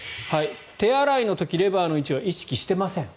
手洗いの時レバーの位置を意識してません。